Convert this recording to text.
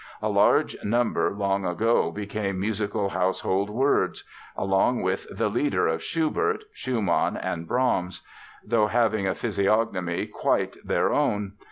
A large number long ago became musical household words, along with the Lieder of Schubert, Schumann and Brahms, though having a physiognomy quite their own.